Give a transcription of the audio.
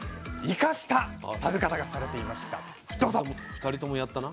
２人ともやったな。